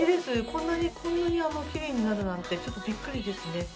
こんなにこんなにキレイになるなんてちょっとビックリですね